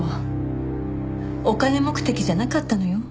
お金目的じゃなかったのよ。